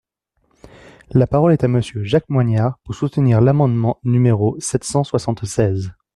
La parole est à Monsieur Jacques Moignard, pour soutenir l’amendement numéro sept cent soixante-seize.